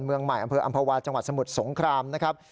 เมืองใหม่อำเภออำภาวาจังหวัดสมุทรสงครามนะครับ